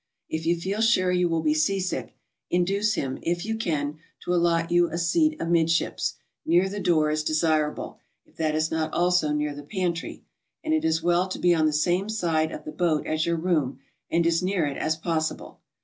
If you feel sure you will be seasick, induce him, if you can, to allot you a seat amidships; near the door is desirable, if that is not also near the pantry; and it is well to be on the same side of the boat as your room, and as near it as possible.